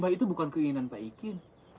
kan musibah itu bukan keinginan pak ikin